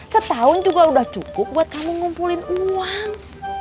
setahun juga sudah cukup buat kamu ngumpulin uang